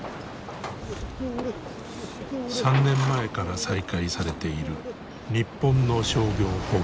３年前から再開されている日本の商業捕鯨。